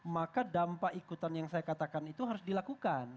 maka dampak ikutan yang saya katakan itu harus dilakukan